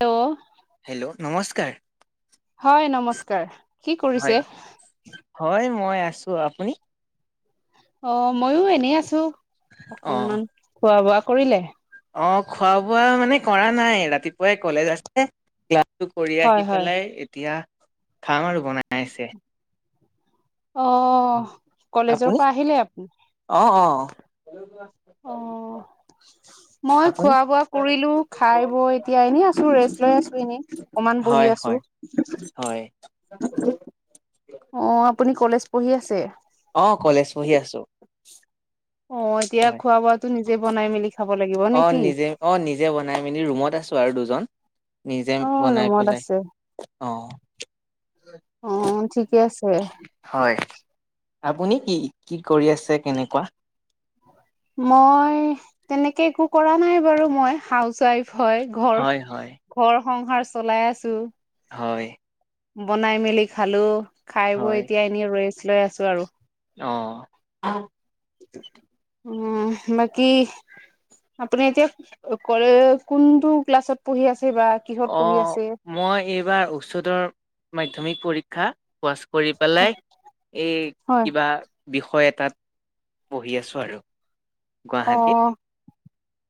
Hello hello নমস্কাৰ হয় নমস্কাৰ কি হয় কৰিছে হয় মই আছো আপুনি অ মইয়ো এনেই আছো অ অকনমান খোৱা বোৱা কৰিলে অ খোৱা বোৱা মানে কৰা নাই ৰাতিপুৱাই কলেজ আছে ক্লাছটো কৰি হয় আহি হয় পেলাই এতিয়া খাম আৰু বনাই আছে অ কলেজৰ আপুনি পৰা আহিলে আপুনি অ অ অ মই আপুনি খোৱা বোৱা কৰিলো খাই বৈ এতিয়া এনেই আছো ৰেষ্ট লৈ আছো এনে অকমান হয় বহি আছো হয় হয়। অ আপুনি কলেজ পঢ়ি আছে। অ কলেজ পঢ়ি আছোঁ। অ এতিয়া খোৱা বোৱাটো নিজে বনাই মেলি। খাব লাগিব নে অ কি নিজে অ নিজে বনাই মেলি ৰুমত আছো আৰু দুজন নিজে অ বনাই ৰুমত পেলাই। আছে আহ। অ ঠিকে আছে। হয় আপুনি কি কি কৰি আছে কেনেকুৱা। মই তেনেকে একো কৰা নাই বাৰু মই হাউচ ৱাইফ হয় ঘৰ। হয় হয় ঘৰ সংসাৰ চলাই আছো। হয়। বনাই মেলি খালো খাই বৈ হয় এতিয়া এনে ৰৈ লৈ আছো আৰু। অ। উম বাকি। আপুনি এতিয়া কলৈ কোনটো ক্লাছত পঢ়ি আছে বা। কিহত অ পঢ়ি আছে মই এইবাৰ উচ্চতৰ মাধ্যমিক পৰীক্ষা পোৱাছ। কৰি পেলাই এই হয় কিবা বিষয় তাত পঢ়ি আছো আৰু। অ গুৱাহাটীত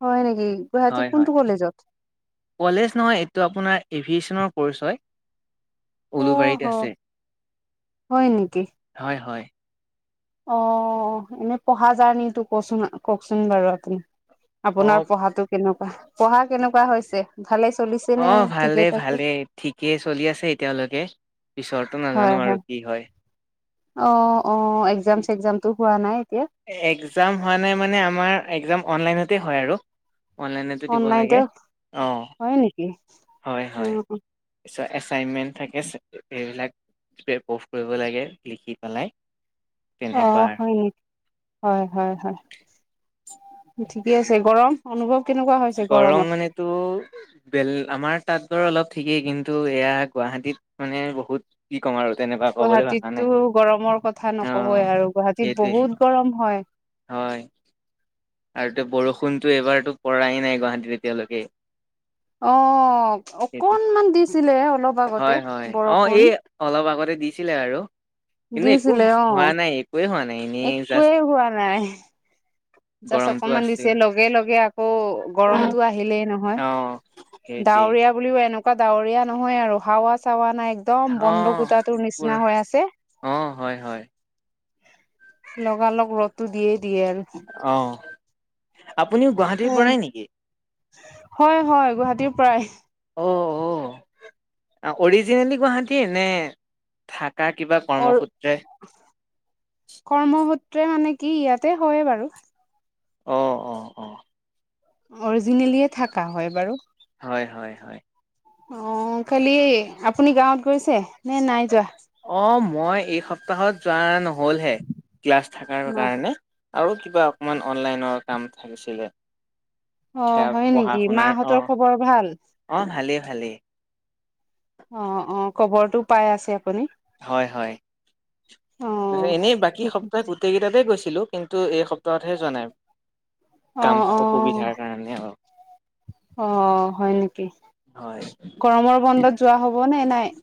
হয় নেকি। গুৱাহাটী হয় হয় কোনটো কলেজত কলেজ নহয় এইটো আপোনাৰ এভিয়েচনৰ কৰ্চ হয়। অ হ উলুবাৰীত আছে হয় নেকি হয় হয়। অ এনেই পঢ়া জাৰ্নি টো কচোন কওকচোন বাৰু। আপোনাৰ অ', পঢ়াতো কেনেকুৱা পঢ়া কেনেকুৱা হৈছে ভালেই চলিছে। নে অ ঠিকে ভালেই থাকে ভালেই। ঠিকেই চলি আছে এতিয়ালৈকে পিছৰটো নাজানো আৰু কি হয় অ অ এক্জাম চেগ্জাম তো হোৱা নাই এতিয়া। এক্জাম হোৱা নাই মানে আমাৰ এক্জাম অনলাইনতে হয় আৰু। অনলাইনতো দিব অনলাইনতে লাগে অ হয় নেকি হয় অ হয়। এছ এচাইনমেন্ট থাকে এইবিলাক। স্প্ৰে প্ৰভ কৰিব লাগে লিখি পেলাই। অ তেনেকুৱা আৰু। হয় নেকি হয় হয় হয় ঠিকে আছে গৰম। অনুভৱ কেনেকুৱা হৈছে গৰমত। তোৰ। বেল আমাৰ তাঁত বাৰ অলপ ঠিকেই কিন্তু এয়া গুৱাহাটীত মানে বহুত। কি কম আৰু তেনেকুৱা। ক'বলৈ ভাষা নাই গুৱাহাটীততটো গৰমৰ কথা অ নকবই আৰু গুৱাহাটীত সেইটোৱে বহুত গৰম হয়। হয়। আৰু ত বৰষুণতো এইবাৰতো পৰাই নাই গুৱাহাটীত এতিয়ালৈকে। অ সেইটোৱে অকনমান দিছিলে অলপ আগতে হয় হয় অ বৰষুণ। এই অলপ আগতে দিছিলে আৰু কিন্তু একো দিছিলে অ হোৱা নাই একোৱে হোৱা নাই এনেই জাষ্ট। একোৱেই হোৱা নাই জাষ্ট গৰমটো অকমান আছে দিছিলোঁ। লগে লগে আকৌ গৰমতটো আহিলেই নহয় অ সেইটোৱে ডাৱৰীয়া। বও এনেকুৱা ডাৱৰীয়া নহয় আৰু হাৱা চাৱা নাই একদম বন্ধকোটা তেওঁৰ নিচিনা হৈ আছে। অঁ হয় হয়। লগালগ ৰ'দটো দিয়ে দিয়ে আৰু। অ আপুনিও গুৱাহাটীৰ উম, পৰাই নেকি। হয় হয় গুৱাহাটীৰ পৰাই। অ অ অৰিজিনেলি গুৱাহাটী নে থাকা কিবা। অ কৰ্মসূত্ৰে। কৰ্মসূত্ৰে মানে কি ইয়াতে হয় বাৰু। অ অ অ। অৰিজিনেলিয়ে থাকা হয় বাৰু। হয় হয় হয়। অ খালি আপুনি গাঁৱত গৈছে নে নাই যোৱা। অ মই এই সপ্তাহত যোৱা নহ'লহে ক্লাছ থাকাৰ ন কাৰণে। আৰু কিবা অকণমান অনলাইনৰ কাম থাকিছিলে। অ সেয়া হয় পঢ়া নেকি শুনাৰ মাহঁতৰ অ', খবৰ ভাল। অ', ভালেই ভালেই অ অ কবৰটো পাই আছে আপুনি। হয় হয়। অ নহয় এনেই বাকী ঠিক সপ্তাহ গোটেই কেইটাতে গৈছিলো কিন্তু এই সপ্তাহত হে যোৱা নাই। অ কাম অ [inaudible] অসুবিধাৰ কাৰণে অ। অ হয় নেকি হয়। গৰমৰ বন্ধত যোৱা হব নে নাই।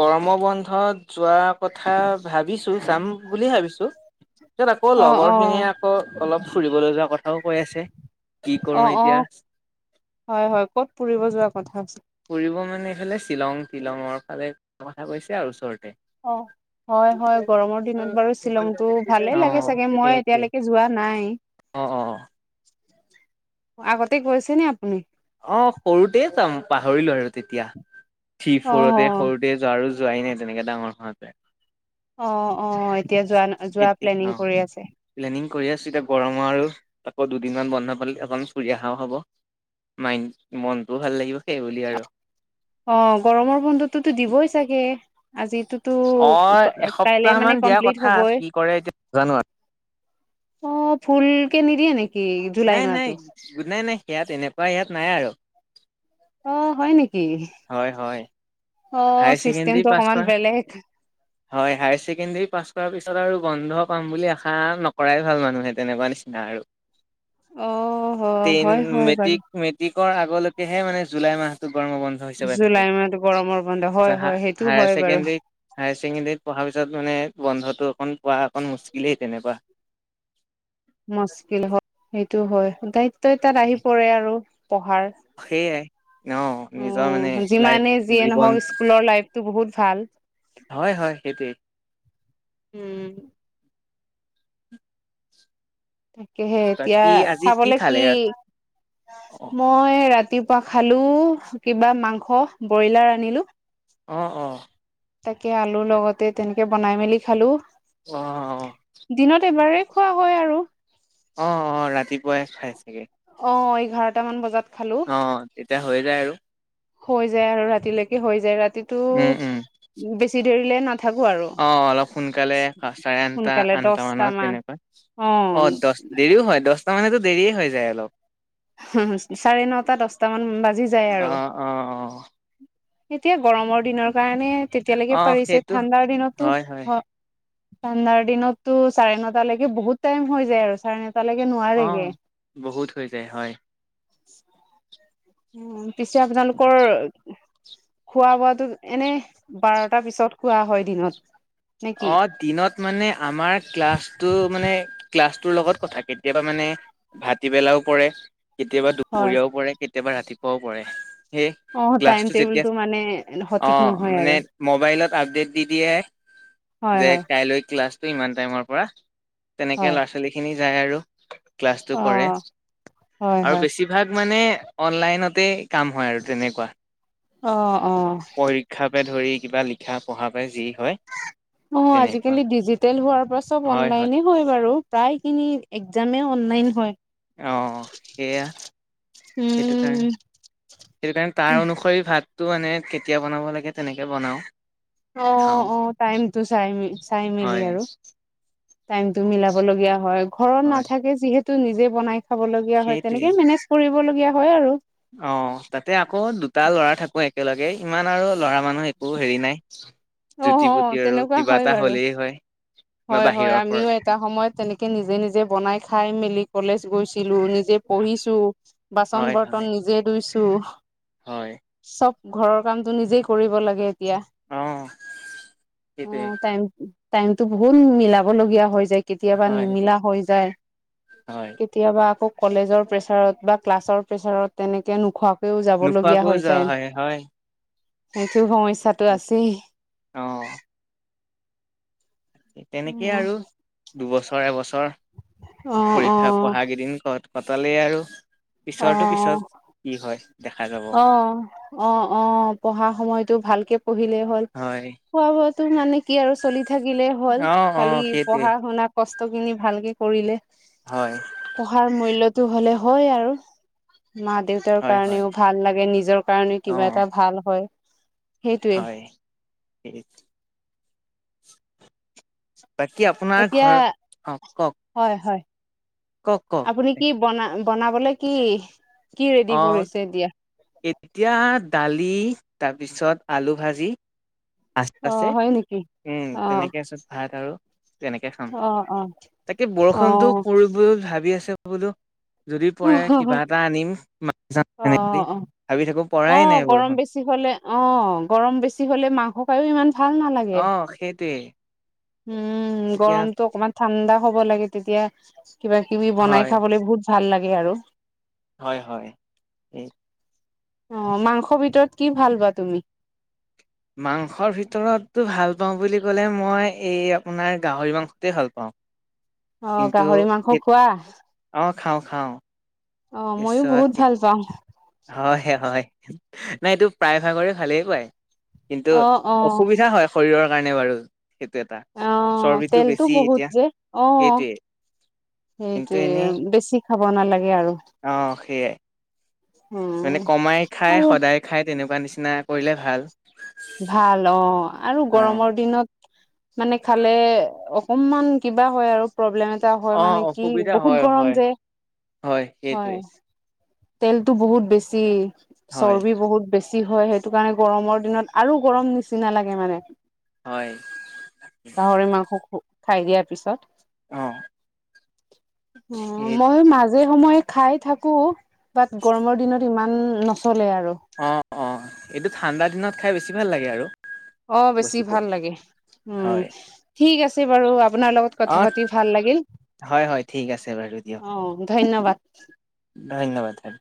গৰমৰ বন্ধত যোৱা কথা ভাবিছো যাম। বুলি ভাবিছো তিছত আকৌ অ অ লগৰ খিনিয়ে আকৌ অলপ ফুৰিবলৈ যোৱা কথাও কৈ আছে। কি কৰো অ অ এতিয়া হয় হয় কত ফুৰিব যোৱা কথা আছি। ফুৰিব মানে এইফালে শ্বিলং তিলঙৰ ফালে কথা কৈছে আৰু ওচৰতে। অ হয় হয় গৰমত। দিনত বাৰু শ্বিলংটো ভালে অ লাগে চাগে মই সেইটোৱে এতিয়ালৈকে যোৱা নাই। অ অ আগতে গৈছে নে আপুনি। অ সৰুতে যাম পাহৰিলো আৰু তেতিয়া থি অ ফৰতে সৰু। [inaudible] যোৱা আৰু যোৱাই নাই তেনেকে ডাঙৰ হোৱাকে। অ অ এতিয়া যোৱা যোৱা এতিয়া প্লেনিং অ কৰি আছে। প্লেনিং কৰি আছিলে গৰমো আৰু আকৌ দুদিনমান বন্ধ পালে অকন ফুৰি অহাও হ'ব। মাইণ্ড মনটোও ভাল লাগিব সেইবুলি আৰু। অ গৰমৰ বন্ধততো দিবই চাগে আজিটো। টো অ এসপ্তাহ কাইলে মান মানে দিয়া কমপ্লিট কথা হ'বই। কি কৰে এতিয়া জানো অ ফুল কে নিদিয়ে নে। নাই নাই [inaudible] নাই সেয়াত এনেকুৱা ইয়াত নাই আৰু। অ হয় নেকি হয় হয় অ হায়াৰ ছেকেণ্ডৰী চিষ্টেমটো পাছ অকমান কৰা বেলেগ। হয় হাই ছেকেণ্ডেৰী পাছ কৰাৰ পিছত আৰু বন্ধ পাম বুলি আশা নকৰাই ভাল মানুহে তেনেকুৱা নিচিনা আৰু। অ হ টেন হয় হয় বাৰু। মেট্ৰিক মেট্ৰিকৰ আগলৈকেহে মানে জুলাই মাহতো গৰমৰ বন। জুলাই মাহতো গৰমৰ বন্ধ হয় হয় সেইটো হায়াৰ হয় বাৰু। ছেকেণ্ডৰীত হায়াৰ ছেকেণ্ডেৰীত পঢ়াৰ পিছত মানে বন্ধটো অকণ পোৱা অকণ মুসকিলেই তেনেকুৱা। মস্কিল হয় সেইটো হয় দায়িত্ব এটাত আহি পৰে আৰু পঢ়াৰ। সেইয়াই অ নিজৰ উম মানে লাইফ জীৱন। তো বহুত ভাল। হয় হয় সেইটোৱেই। উম। তাকেহে এতিয়া বাকী আজি খাবলে খালে কি। ৰাতি? অ', [inaudible] মই ৰাতিপুৱা খালো কিবা মাংস ব্ৰইলাৰ আনিলো। অহ অহ তাকে আলু লগতে তেনেকে বনাই মেলি খালোঁ। অহ অহ দিনত এবাৰেই খোৱা হয় আৰু অঁ অঁ ৰাতিপুৱাই খাই চাগে অ এঘাৰটামান বজাত খালো অ তেতিয়া হৈ যায় আৰু হৈ যায় আৰু ৰাতিলৈকে হৈ যায় উম, উম, ৰাতিটো বেছি দেৰিলে না অ অলপ সোনকালে চাৰে আঠটা সোনকালে আঠটা দহটা মানত মান তেনেকৈ অ দচ দেৰিও হয় দচটা মানেতো দেৰিয়ে হৈ যায় অলপ চাৰে নটা দচটা মান বাজি যায় আৰু অ', অ', অ', এতিয়া গৰমত। দিনৰ কাৰণে তেতিয়ালৈকে অ', পাৰিছে সেইটো ঠাণ্ডাৰ দিনতো হয়। ঠাণ্ডাৰ দিনততো চাৰে নটালৈকে বহুত টাইম হৈ যায় আৰু চাৰে নটালৈকে অ'। নোৱাৰেগে। বহুত হৈ যায় হয়। উ পিছে আপোনালোকৰ? খোৱা বোৱাটো এনে বাৰটাৰ পিছত খোৱা হয় দিনত। নে কি অ। দিনত মানে আমাৰ ক্লাছটো মানে ক্লাছটোৰ লগত কথা কেতিয়াবা মানে ভাতিবেলাও পৰে কেতিয়াবা হয় দুপৰীয়াও পৰে কেতিয়াবা ৰাতিপুৱাও পৰে। সেই অ টাইম ক্লাছটো যেতিয়া টেবুলটো মানে সঠিক অঁ নহয় মানে আৰু মোবাইলত আপডেট দি দিয়ে। হয় যে হয় কাইলৈ ক্লাছটো ইমান টাইমৰ পৰা তেনেকে হয় ল'ৰা ছোৱালী খিনি যায় আৰু ক্লাছটো অ কৰে হয় আৰু হয় বেছি। চব মানে অনলাইনতে কাম হয় আৰু তেনেকুৱা। অ অ শিক্ষাকে ধৰি কিবা লিখা পঢ়াৰ পৰা যি হয় অ তেনেকুৱা আজিকালি ডিজিটেল হোৱাৰ পৰা চব অনলাইনে হয় বাৰু প্ৰায়খিনি এক্জামে অনলাইন হয় অ সেয়া। সেইটো কাৰণে। উম, সেইটো কাৰণে তাৰ অনুসৰি ভাতটো মানে কেতিয়া বনাব লাগে তেনেকৈ বনাওঁ। অ অ টাইমটো চাই মেলি চাই মেলি হয় আৰু টাইম টো মিলাব লগীয়া হয় ঘৰত হয় নাথাকে যিহেতু নিজে বনাই খাব লগীয়া হয় সেইটোৱে তেনেকে মেনেজ। কৰিবলগীয়া হয় আৰু অ তাতে আকৌ দুটা লৰা থাকো একেলগে ইমান আৰু ল'ৰা মান। একো হেৰি নাই। অ', জুতি অ', পুতি আৰু তেনেকুৱা কিবা হয় এটা বাৰু হলেই হয় বা হয়, হয় বাহিৰৰ পৰা। আমিও এটা সময়ত তেনেকে নিজে নিজে বনাই খাই মেলি কলেজ গৈছিলো নিজে। পঢ়িছো বাচন হয় বৰ্তন হয় নিজে ধুইছো। হয়। চব ঘৰৰ কামতটো নিজেই কৰিব লাগে এতিয়া? অ সেইটোৱে। টাইমতটো বহুত মিলাবলগীয়া হৈ যায় কেতিয়াবা হয় নিমিলা হৈ যায়। হয়। কেতিয়াবা আকৌ কলেজৰ প্ৰেছাৰত বা ক্লাছৰ প্ৰেছাৰত তেনেকে নোখোৱা। কও যাব লগগীয়া নোখোৱাকৈও হৈ যোৱা যায় হয় হয় সেটো সমস্যাটো আছেই। অ। তেনেকেই অ', আৰু দুবছৰ এবছৰ অ', পৰীক্ষা অ', পঢ়া কেইদিন কত। কটালেই আৰু পিছৰটো পিছত কি হয় দেখা যাব। অহ। অ অ পঢ়া সময়তো ভালকে পঢ়িলেই হ'ল। হয়। খোৱা বোৱাতো মানে কি আৰু চলি থাকিলে হ'ল অ', খালি অ', সেইটোৱে পঢ়া শুনা। কষ্ট খিনি ভালকে কৰিলে। হয়। পঢ়াৰ মূল্যতো হলে হল আৰু মা দেউতাৰ হয়, হয়, কাৰণেও ভাল লাগে নিজৰ। কাৰণে কিবা অ', এটা ভাল হয়। সেইটোৱে হয় ঠিক। বাকী আপোনাৰ এতিয়া ঘৰ অ কওক হয় হয়। কওক কওক। আপুনি কি বনা বনাবলে কি কি ৰেডি অ', কৰিছে এতিয়া? এতিয়া দালি তাৰপিছত আলু ভাজি। আচ অ আছে হয় নেকি? উম অ তেনেকে আছে ভাত আৰু তেনেকে খাম অ অ তাকে অ বৰষুণটো পৰো পৰো ভাবি আছে বোলো। যদি পৰে কিবা এটা আনিম মা [unintelligible] অ সেনেকে অ অ', গৰম বেছি হলে অ গৰম বেছি হলে মাংস খায়ও ইমান ভাল নালাগ অ', সেইটোৱে। উম এতিয়া গৰমটো অকনমান ঠাণ্ডা হব লাগে তেতিয়া কিবা কিবি বনাই হয়, খাবলৈ বহুত ভাল লাগে আৰু। হয়' হয় এ অ', মাংসৰ ভিতৰত কি ভাল বা তুমি। মাংসৰ ভিতৰতো ভাল পাওঁ বুলি ক'লে মই এই আপোনাৰ গাহৰি মাংসতোৱে ভাল পাওঁ। অ কিন্তু গাহৰি মাংস এট খোৱা? অ', খাওঁ খাওঁ। অ', মইও বহুত পিছত ভাল পাওঁ। হয় হয় নাই এইটো প্ৰায়ভাগৰে ভালেই পায়। কিন্তু অ অ অসুবিধা হয় শৰীৰৰ কাৰণে বাৰু। সেইটো এটা অ চৰ্বিটো তেলতো বেছি বহুত এতিয়া যে অ সেইটোৱে। কিন্তু এনেই সেইটোৱে বেছি খাব নালাগে আৰু। অ', সেয়াই। মানে উম কমাই খায় আৰু সদায় খায় তেনেকুৱা নিচিনা কৰিলে ভাল। ভাল অ', আৰু অ গৰমৰ দিনত মানে খালে অকনমান কিবা হয় আৰু প্ৰব্লেম এটা হয় অ মানে কি অসুবিধা বহুত হয় গৰম হয় যে হয় সেইটোৱে হয়। তেলতো বহুত বেছি হয় চৰ্বি বহুত বেছি হয় সেইটো কাৰণে গৰমৰ দিনত। আৰু গৰম নিচিনা লাগে মানে। হয়। গাহৰি মাংস খো খাই দিয়াৰ পিছত। অ অ', সেই মই মাজে সময়ে। খাই থাকো বাট গৰমৰ দিনত ইমান নচলে আৰু। অ', অ', এইটো ঠাণ্ডা দিনত খাই বেছি ভাল লাগে আৰু। অ', বেছি বস্তুটো ভাল লাগে। উম হয়। ঠিক আছে বাৰু আপোনাৰ লগত কথা অ', পাতি ভাল লাগিল। হয়' হয় ঠিক আছে বাৰু দিয়া অ', ধন্যবাদ। ধন্যবাদ হয়।